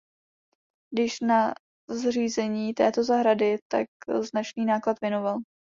Když na zřízení této zahrady tak značný náklad věnoval.